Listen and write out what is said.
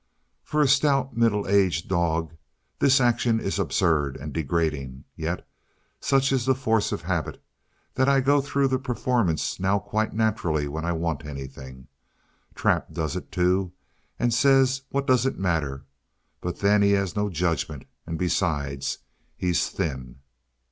For a stout, middle aged dog, the action is absurd and degrading. Yet, such is the force of habit, that I go through the performance now quite naturally whenever I want anything. Trap does it too, and says what does it matter? but then he has no judgment, and, besides, he's thin.